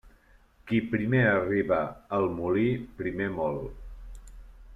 Qui primer arriba al molí, primer mol.